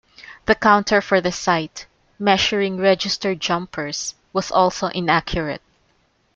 The counter for the site, measuring registered jumpers, was also inaccurate.